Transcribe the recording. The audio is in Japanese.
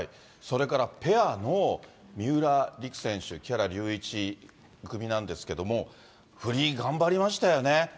それからペアの三浦璃来選手・木原龍一組なんですけれども、フリー頑張りましたよね。